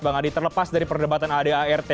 bang adi terlepas dari perdebatan aad art